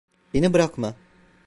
Beni bırakma.